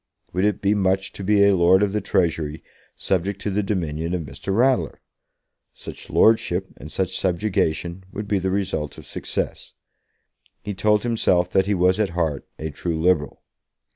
Would it be much to be a Lord of the Treasury, subject to the dominion of Mr. Ratler? Such lordship and such subjection would be the result of success. He told himself that he was at heart a true Liberal.